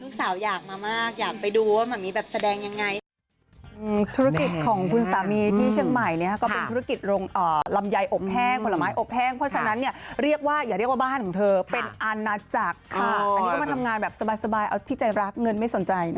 อยากมามากอยากไปดูว่ามันมีแบบแสดงยังไง